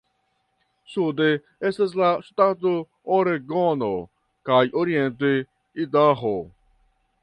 Sude estas la ŝtato Oregono kaj oriente Idaho.